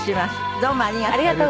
どうもありがとう。